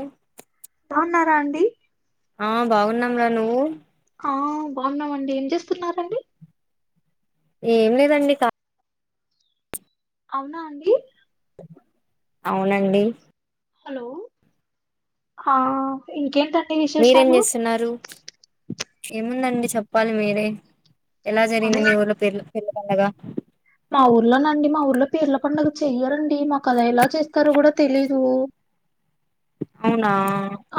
ఉమ్ బావున్నారా అండి ఆ బాగున్నాంరా నువ్వు ఆ బాగున్నమండి ఏం చేస్తున్నారండి ఏంలేదండి క అవున అండి అవునండి హలో హ ఇంకేంటండీ విశ్ మీరేం చేస్తున్నారు ఏముందండి చెప్పాలి మీరే ఎలా జరిగింది అవునా, మీ ఊర్లో పీర్ల పండగా మా ఊర్లోనండి మా ఊర్లో పేర్ల పండుగ చెయ్యరండి మా కది ఎలా చేస్తారో కూడా తెలీదు అవునా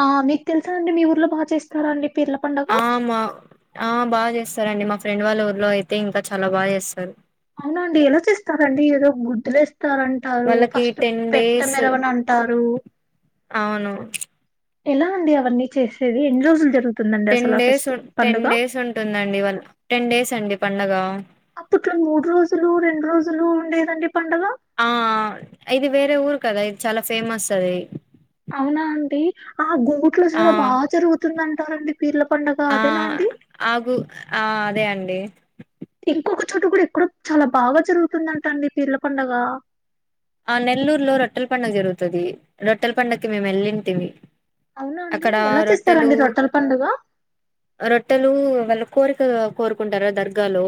ఆ మీకు తెలుసా అండి మీ ఊర్లో బాగా చేస్తరాండి పిర్ల పడుగ ఆ మా ఆ బాగా చేస్తరండి మా ఫ్రెండ్ వాళ్ళ ఊర్లో అయితే ఇంకా చాలా బాగా చేస్తరు అవునండి ఎలా చేస్తారండి ఏదో గుద్దులేస్తారామ్ టారు వాళ్ళకి ఫస్ట్ టెన్ పెట్ట డేస్ మిరవనంటారు అవును ఎలా అండి అవన్నీ చేసేది ఎన్ని రోజులు జరుగు టెన్ డేస్ టెన్ డేస్ ఉంటుందండి వాళ్ టెన్ డేస్ అండి పండగ అప్పట్లో మూడు రోజులు రెండు రోజులు ఉండేదండి పండగ ఆ ఇది వేరే ఊరు కదా ఇది చాలా ఫేమస్సది అవునా అండి ఆ గుహు ఆ ట్లసలు బా జరుగుతుందంతారు పిర్ల పండుగ ఆ అదేనా అండి ఆగు ఆ అదే అండి ఇంకొక చోట కూడా ఎక్కడ చాలా బాగా జరుగుతుందంట అండి పిరీల పండగ ఆ నెల్లూరులో రొట్టె పండగ జరుగుతది రొట్టెల పండగకి మేము వెల్లింటివి అవునా అండి ఎలా చేస్తారండి రోట్టెల పండగ రొట్టెలు వాళ్ళ కోరిక కోరుకుంటారుగా దర్గాలో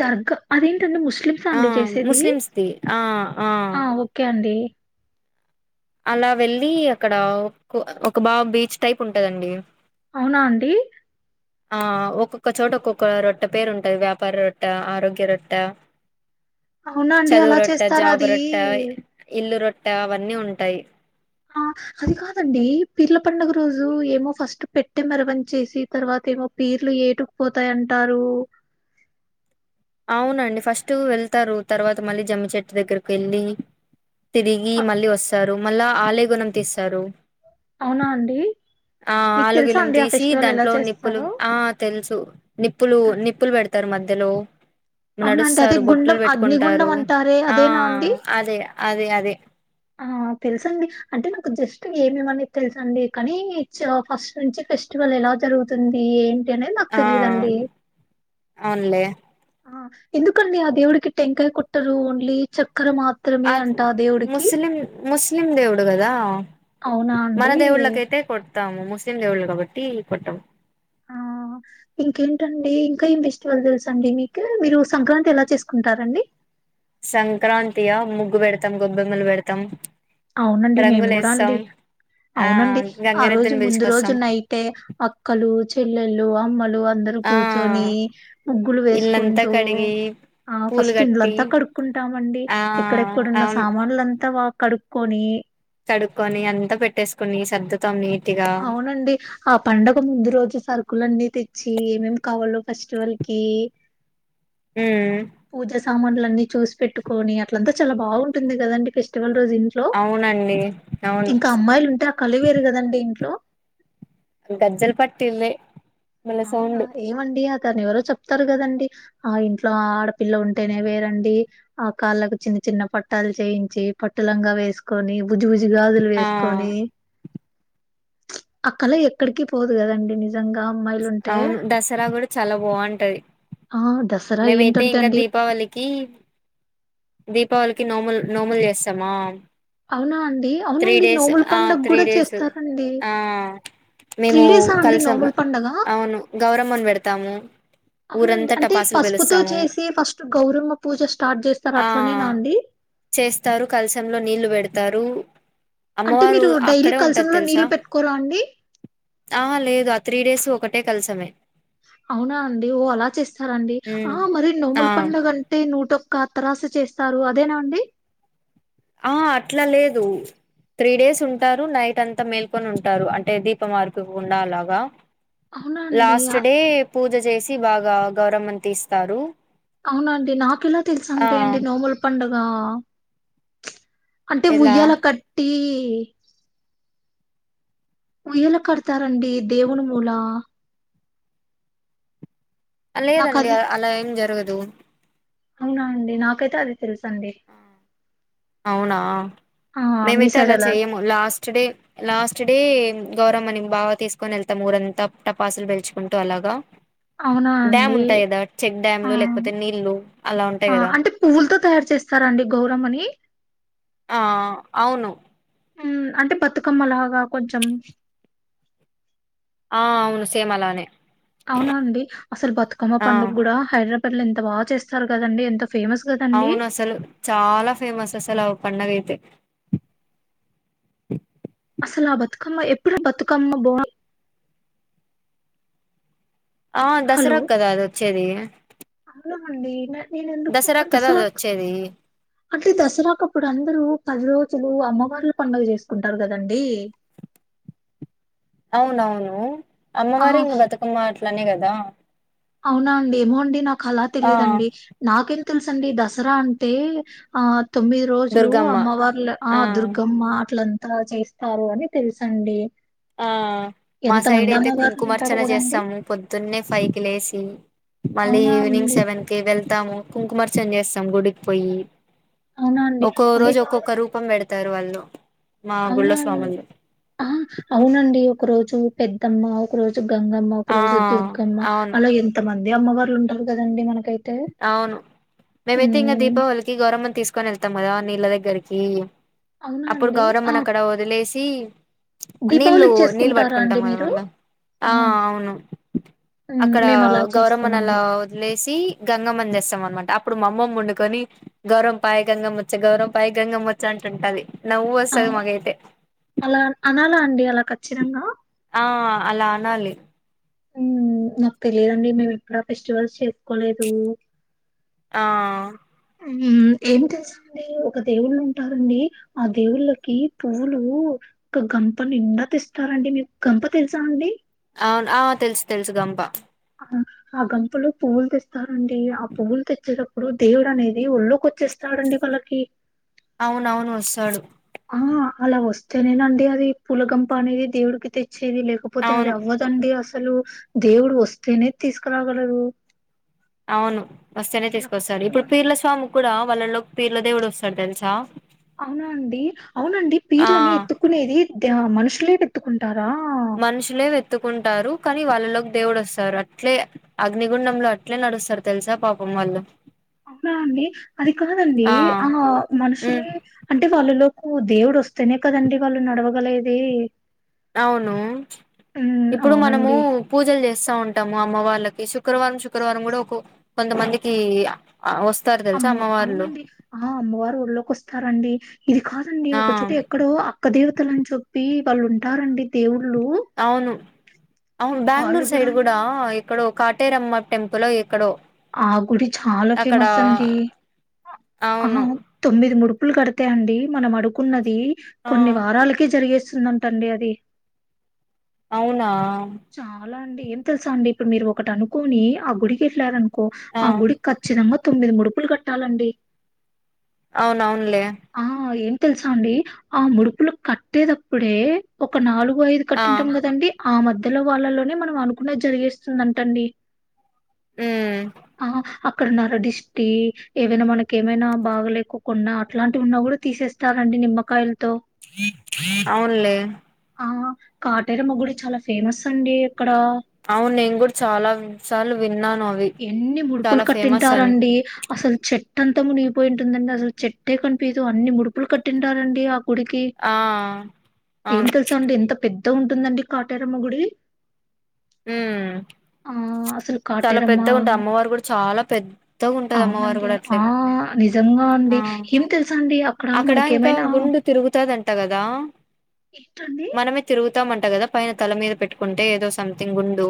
దర్గా అదేంటండి ముస్లిమ్స్ ఆ అండి చేసేది ముస్లిమ్స్ది ఆ ఆ ఓకే అండి అలా వెళ్ళి అక్కడ కో ఒక బా బీచ్ టైప్ ఉంటది అండి అవునా అండి ఆ ఒక్కొక్క చోట ఒక్కొక్క రొట్టె పేరు ఉంటది వ్యాపార రొట్టె ఆరోగ్య రొట్టె అవునా అండి అలా చేస్తార జాబ్ అది రొట్ట ఇల్లు రొట్టె అవి అన్ని ఉంటాయి ఆ అది కాదండి పీర్ల పండుగ రోజు ఏమో ఫస్ట్ పెట్టె మేరమణి చేసి తర్వాత ఏమో పీర్లు ఏటు పోతాయి అంటారు అవును అండి ఫస్ట్ వెళ్తారు తర్వాత మళ్ళీ జమ్మిచెట్టు దగ్గరకు వెళ్ళి తిరిగి ఆ, మళ్ళీ వస్తారు మళ్ళా ఆలేగుణం తీస్తారు అవునా అండి ఆ మీకు ఆలు తెలుసా గిలం అండి ఆ తీసి ఫెస్టివల్ ఎలా దాంట్లో నిప్పులు చేస్తారో ఆ తెలుసు నిప్పులు నిప్పులు పెడతారు మధ్యలో అవునా అండి అదే నడుస్తారు గుండం బొట్టులు అగ్నిగుండం పెట్టుకుంటారు అంటారే ఆ అదేనా అండి అదే అదే అదే ఆ తెలుసు అండి అంటే నాకు జస్ట్ ఏమి ఏమినేది తెలుసు అండి కానీ ప్చ్ ఫస్ట్ నుంచి ఫెస్టివల్ ఎలా జరుగుతుంది ఏ ఆ అవునులే ఆ ఎందుకు అండి ఆ దేవుడికి టెంకాయ కొట్టారు ఓన్లీ చక్కర మాత్ క్రమే అది అంటా ఆ దేవుడికి ముస్లిం ముస్లిం దేవుడు కదా అవునా మన అండి దేవుళ్ళకైతే కోట్ తాము ముస్లిం దేవుళ్ళు కాబట్టి కొట్టము ఆ ఇంకేంటండి ఇంకా ఏం ఫెస్టివల్ తెలుసు అండి మీకు మీరు సంక్రాంతి ఎలా చేసుకుంటారండి సంక్రాంతి యా ముగ్గు పెడతాం గొబ్బెమ్మలు పెడతాం అవునండి మేము కూడా రంగులేస్తాం అండి ఆ అవునండి ఆ రోజు గంగిరెద్దుని ముందు రోజు పిలుచుకొస్తాం నైన్ టే అక్కలు చెల్లెళ్ళు అమ్మలు అందర్ ఆ కూర్చొని ముగ్గులు ఇల్లంతా వేసుకుంటూ కడిగి ఆ పూలు ఫస్ట్ కట్టి ఇండ్లంతా కడుక్కుంటామండి ఆ ఎక్కడెక్కడున్న అవును సామాన్లుంతా బా కడుక్ కొని తడుక్కొని అంతా పెట్టేసుకుని సర్దుతాం నీటిగా నుండి ఆ పండగ ముందు రోజు సరుకుల అన్నీ తెచ్చి ఏమి ఏమి కావాలో ఫెస్టివల్ కి ఊ పూజ సామాన్లు అని చూసి పెట్టుకొని అట్ల అంతా చాలా బాగుంటుంది కదా అండి ఫెస్టివల్ రోజు చూసి ఇన్ లో అవునండి అవును ఇంకా అమ్మాయిలు ఉంటే ఆ కళే వేరు కదా అండి ఇంట్లో గజ్జల్ పట్టిలే అవునా ఏమండి అతను ఎవరో చెప్తారు కద అండి ఆ ఇంట్లో ఆడపిల్ల ఉంటేనే వేరండి ఆ కాళ్ళకు చిన్న చిన్న పట్టాలు చేయించి పట్టులంగా వేసుకొని బుజ్జి బుజ్జి గాజులు ఆ వేసుకొని ప్చ్ అ కళ ఎక్కడికి పోదు కదండి నిజంగా ప్చ్ అమ్మాయిలుంటే అవును దసరా కూడా చాలా బాగుంటది అవ్ దస్ మేమైతే ఇంకా దీపావళి కి దీపావళి కి నోములు నోములు చేస్తామా అవునా అండి త్రీ అవునండి డేస్ నోముల ఆ పండగ త్రీ కూడా డేస్ చేస్తారండి ఆ త్రీ మేము డేసా అండి కలిసం నోముల పండగ అవును గౌరమ్మని పెడతాము అవునండి ఊరంతా అంటే టపాసులు పసుపుతో పెలుస్తాము చేసి ఫస్ట్ గౌరమ్మ పూజ స్టార్ట్ చేస్తారు ఆ అట్లనేనా అండి చేస్తారు కలసంలో నీళ్ళు పెడతారు అంటే అమ్మవారు మీరు డైలీ అక్కడే ఉంటది కలసంలో తెలుసా నీళ్లు పెట్టుకోరా అండి ఆహ లేదు ఆ త్రీ డేస్ ఒకటే కలిసమే అవునా అండి ఓ అలా చేస్తారండి ఆ ఉమ్ మరి ఆ నోముల పండగ అన్ టే నూటోక్క అత్తరస చేస్తారు అదేనా అండి ఆ అట్ల లేదు త్రీ డేస్ ఉంటారు నైట్ అంతా మేల్కొని ఉంటారు అంటే దీపం అరిపోకుండా అలాగా అవునా అండి లాస్ట్ ఆ- డే పూజ చేసి బాగా గౌరమ్మని తీస్తారు అవునండి నాకెలా తెలుస ఆ అంటే అండి నోముల పండుగ ప్చ్ అంటే ఎలా ఉయ్యాల కట్టి ఉయ్యల కడతారండి దేవుని మూల నాకు లేదండి అది అలా ఏం జరగదు అవునా అండి నాకైతే అది తెలుసు అండి అవునా ఆ మీ మేమైతే సైడ్ అలా ఎలా చేయము లాస్ట్ డే లాస్ట్ డే గౌరమనికి బాగా తీసుకొని వెళ్తాము ఊరంతా టపాసులు పెల్చుకుంటూ అలాగా అవునా డ్యామ్ అండి ఉంటాయి కదా చెక్ ఆ డ్యామ్లు లేకపోతే నీళ్లు అలా ఉంటాయి కదా పువులతో తయారు చేస్తారండి గౌరమ్మని ఆ అవును మ్మ్ అంటే బతుకమ్మ లాగా కొంచెం ఆ అవును సేమ్ అలానే అవున అండి అసలు బతుకమ్మ ఆ పండుగ కూడా హైదరాబాద్ లో ఎంత బాగా చేస్తారు కదండి ఎంత ఫేమస్ కద అవును అసలు చాలా ఫేమస్ అసలు ఆ పండగ అయితే అసలు ఆ బతుకమ్మ ఎప్పుడు బతుకమ్మ బా ఆ దసరా కదా అది వచ్చేది అవునమండి నేను ఎందుకు పోత దసరాకు కదా దస అది వచ్చేది అంటే దసరాకు అప్పుడు అందరూ పది రోజులు అమ్మవార్ల పండగ చేసుకుంటారు కదండి అవునవును ఆ! అమ్మవారు ఇంక బతుకమ్మ అట్లనే కదా అవునా అండి ఏమో అండి నాకు అలా ఆ తెలీదండి నాకేం తెలుసండి దసరా అంటే ఆ తొమ్మిది రోజులు దుర్గమ్మ అమ్మవళ్లు ఆ దుర్గమా అట్లంతా చేస్తారు అని తెలుసండి ఆ మా సైడ్ ఎంతమంది అయితే అమ్మవార్లుంటారు కుంకుమార్చన గదండీ. చేస్తాము పొద్దున్నే ఫైవ్ కి లేసి మళ్ళీ అవునా ఈవినింగ్ అండి. సెవెన్ కి వెళ్తాము కుంకుమార్చన చేస్తాము గుడికి పోయి అవునా అండి ఒక్కో అది రోజు ఒక్కొ కాదు ఒకక్క రూపం పెడతారు వాళ్ళు మా అవున్ గుళ్ళో స్వాములు ఆ అవునండి ఒక రోజు పెద్దమ్మ ఒక రోజు గంగమ్మ ఒక ఆ రోజు దుర్గమ్మ అవును అలా ఎంత మంది అమ్మవార్లు ఉంటారు కదండి మనకు అవును మేమైతే ఇంగా ఉమ్ దీపావళి కి గౌరమ్మను తీసుకొని వెళ్తాం కదా నీళ్ళ దగ్గరికి అవునా అప్పుడు అండి ఆ గౌరమ్మను అక్కడ వదిలేసి నీళ్లు దీపావళికి నీళ్ళు చేసుకుంటారా పట్టుకుంటాం అండి కదా మీరు మళ్ళా ఆ అవును ఉమ్ అక్కడ మేము అలా గౌరమ్మను అలా చేసుకోమండి వదిలేసి గంగమ్మని తెస్తాం అనమాట అప్పుడు మా అమ్మమ్ వండుకొని గౌరంపాయ గంగమ్మచ్చే గౌరంపాయ గంగమ్మచ్చే అంటుంటది నవ్వు వస్తది అవునా మాగైతే అలా అనాల అండి అలా ఖచ్చిరంగా ఆ అలా అనాలి ఊ నాకు తెలియదండి మేము ఎప్పుడు ఆ ఫెస్టివల్స్ చేసుకోలేదు ఆ ఊ ఏమ్ తేస్ అంటే ఒక దేవుళ్ళు ఉంటారండి ఆ దేవుళ్ళకి పువ్వులు ఒక గంప నిండా తెస్తారండి మీకు గంప తెలుసా అండి అవును ఆ తెలుసు తెలుసు గంప ఆ ఆ గంపలో పువ్వులు తెస్తారండి ఆ పువ్వులు తెచ్చేటప్పుడు దేవుడు అనేది ఒళ్ళోకి వచ్చేస్తాడండి వాళ్ళకి హామ్ అవునవును వస్తాడు ఆ అలా వస్తేనేనండి అది పూలగంప అనేది దేవుడికి తెచ్చేది లేకపో పోతే అది అవును అవ్వదండి అసలు దేవుడు వస్తేనే తీసుకురాగలరు అవును వస్తేనే చాలా తీసుకొస్తారు కష్టం ఇప్పుడు అండి. పీర్ల స్వామి కూడా వాళ్ళలోకి పీర్ల దేవుడు వస్తడు తెలుసా అవునా అండి అవునండి ఆ పీర్లని ఎత్తుకునేది ద మనుషులే ఎత్తుకుంటారా మనుషులే వెత్తుకుంటారు కానీ వాళ్ళలోకి దేవుడు వస్తారు అట్లే అగ్నిగుండంలో అట్లే నడుస్తారు తెలుసా పాపం వాళ్ళు అవునా అండి అది కాదండి ఆ ఉమ్ మనుషులే అంటే వాళ్ళలోకు దేవుడు వస్తేనే కదండి వాళ్ళు నడవగలేది అవును ఉమ్ ఇప్పుడు మనము అవునండి పూజలు చేస్తా ఉంటాము అమ్మ వార్లకి శుక్రవారం శుక్రవారం కూడా ఒక కొంతమందికి వస్తారు తెలుసా అమ్మ అమ్మవార్లు అవునండి ఆ అమ్మవారు ఒళ్లోకి వస్తారండి ఇది కాదండి ఆ ఒకచోట ఎక్కడో అ క్క దేవతలు అని చెప్పి వాళ్ళు ఉంటారండి దేవుళ్ళు అవును అవును వాళ్ళు బ్యాంగ్ల్యూర్ కూడా సైడ్ గూడా అండి క్కడో కటేరమ్మ టెంపుల్ ఓ ఇక్కడో ఆ గుడి చాలా ఫేమస్ అండి ఆ అవును తొమ్మిది ముడుపులు కడితే అండి మనం అడుకున్నది ఆ కొన్ని వారాలక్ కే జరిగేస్తుందంటండి అది అవునా చాలా అండి ఏం తెలుసా అండి ఇప్పుడు మీరు ఒకటి అనుకోని ఆ గుడికెల్లారనుకో ఆ గుడికి ఖచ్చితంగా తొమ్మిది ముడుపులు కట్టాలండి అవున అవునులే ఆ ఏం తెలుసా అండి ఆ ముడుపులు కట్టేటప్పుడే ఒక నాలుగు ఐదు ఆ కట్టింటాం కదండి ఆ మధ్యలో వాళ్ళలోనే మనం అనుకున్నది జరిగేస్తుంది అంటండి ఉమ్ ఆ అక్కడ నరడిష్టి ఏవైనా మనకేమైనా బాగ లేకో కున్న అట్లాంటివి ఉన్నా కూడా తీసేస్త స్తారండి నిమ్మకాయలతో అవునులే ఆ కాటేరమ్మ గుడి చాలా ఫేమస్ అండి అక్కడ అవును నేను కూడా చాలా విసార్లు విన్నాను అవి ఎన్ని ముడుపులు చాలా ఫేమస్ అని కట్టింటారండి అసలు చెట్ అంతా మునిగిపోయింటుందండి అసలు చెట్టే కనిపీదు అన్ని ముడుపులు కట్టింటారండి గుడికి ఆ ఏం అవును తెలుసా అంటే ఎంత పెద్ద ద్దగుంటుందండి కాటేరమ్మ గుడి ఆ అసలు కాట్ పెద్దగంటది అమ్మవారు కూడా చాలా పెద్దగంటది అమ్మవారు అవునండి. కూడా అట్లే ఆ నిజంగా ఆ అండి ఏం తెలుస అండి అక్కడ ఇంకా గుండు తిరుగుతుదంట కదా ఏంటండి? మనం తిరుగుతమంట కదా పైన తల మీద పెట్టుకుంటే ఏదో సంథింగ్ ఉండు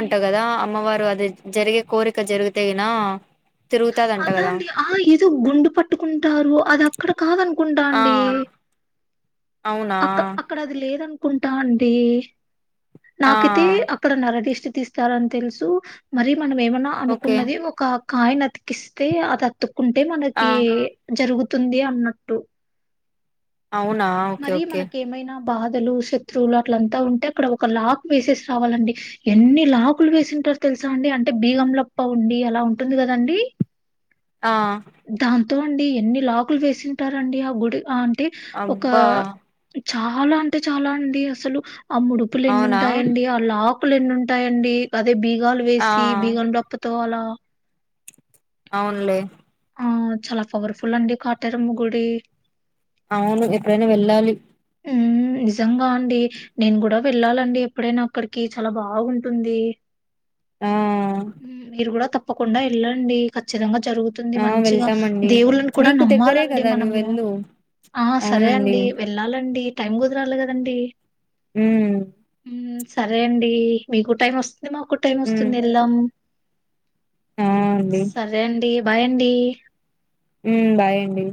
ఏ కదా అమ్మవారు అది జరిగే కోరిక జరిగితే అయినా అద అండి ఆ ఏదో గుండు పట్టుకుంటారు అది అక్కడ కాదనుకుంట ఆ అండి అవునా ది లేదనుకుంటా అండి ఆ నాకైతే అ అక్కడ నరటిస్ట్ తీస్తారని తెలుసు మరి మనం ఏమన్న ఓకే అనుకున్నది ఒక కాయినతికిస్తే అది అతుక్కుంటే ఆ మనకి జరుగుతుంది అన్నట్టు అవునా ఓకే మరి ఓకే మనక ఏమైనా బాధలు శత్రువులు అట్లంతా ఉంటే అక్కడ ఒక లాక్ బేసెస్ రావలండి ఎన్ని లాకులు వేసింటరు తెలుసా అండి అంటే బీగంలప్ప ఉండి అలా ఉంటుంది కదండి ఆ దాంతో అండి ఎన్ని లాకులు వేసింటారండి ఆ గుడి అంటే ఒక అబ్బా చాలా అంటే చాలా అండి అసలు ఆ ముడుపులు అవునా ఎన్నింటాయండి ఆ లా కులు ఎన్ని ఉంటాయిడి అదే బీగాలు ఆ వేసి బీగాలు దప్పతోలా అవునులే ఆ చాలా పవర్ఫులండీ కాటెరంమగుడి అవును ఎప్పుడైనా వెళ్ళాలి ఉమ్ నిజంగా అండి నేను కూడా వెళ్ళాలండి ఎప్పుడైన అక్కడికి చాలా బాగుంటుంది ఆ మీరు కూడ తప్పకుండా వెళ్ళండి ఖచ్చితంగా జరుగు తుంది ఆ మంచిగా వెళ్తామండి దేవుళ్లను కూడ నీకు దగ్గరే నమ్మాలండి కదా నువ్వు మనము వెళ్ళు ఆ సరే అవునండి అండి వే ళ్ళాలండి టైం కుదరలి కదండి ఉమ్ ఉమ్ సరే అండి మీకు టైం వస్తుంది మాకు టైం ఉమ్ వస్తుంది వెళ్దాం ఆ అండి సరే అండి బాయండి ఉమ్ బాయండి